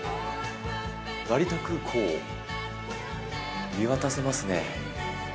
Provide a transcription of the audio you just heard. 成田空港を見渡せますね。